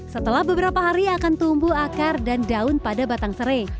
setelah beberapa hari akan tumbuh akar dan daun pada batang serai